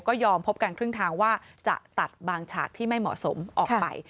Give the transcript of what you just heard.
ก็ยอมพบกันครึ่งทางว่าจะตัดบางฉากที่ไม่เหมาะสมออกไป